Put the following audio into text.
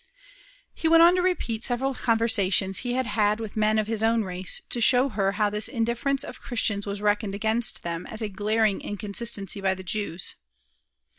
He went on to repeat several conversations he had had with men of his own race, to show her how this indifference of Christians was reckoned against them as a glaring inconsistency by the Jews.